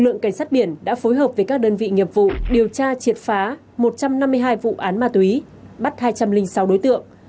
lực lượng cảnh sát biển đã phối hợp với các đơn vị nghiệp vụ điều tra triệt phá một trăm năm mươi hai vụ án ma túy bắt hai trăm linh sáu đối tượng